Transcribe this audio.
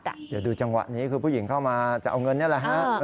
เดี๋ยวดูจังหวะนี้คือผู้หญิงเข้ามาจะเอาเงินนี่แหละฮะ